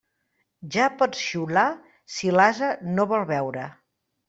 Ja pots xiular, si l'ase no vol beure.